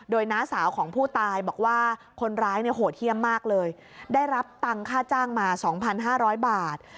โดยน้าสาวของผู้ตายบอกว่าคนร้ายเนี่ยโหดเยี่ยมมากเลยได้รับตังค่าจ้างมา๒๕๐๐บาท